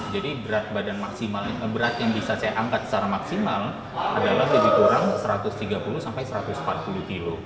jadi berat yang bisa saya angkat secara maksimal adalah lebih kurang satu ratus tiga puluh sampai satu ratus empat puluh kg